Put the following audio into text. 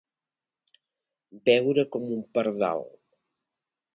Beure com un pardal.